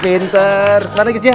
wah aku tawar dia